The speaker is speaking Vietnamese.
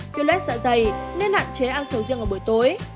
tiêu lết dạ dày nên hạn chế ăn sầu riêng vào buổi tối